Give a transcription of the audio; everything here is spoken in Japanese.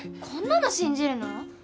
こんなの信じるの？